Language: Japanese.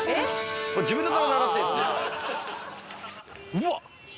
うわっ！